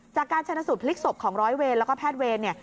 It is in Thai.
จากการชนะสูตรพลิกศพของร้อยเวรแล้วก็แพทย์เวรเนี่ย